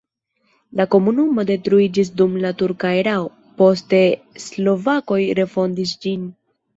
La komunumo detruiĝis dum la turka erao, poste slovakoj refondis ĝin.